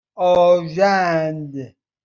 آژند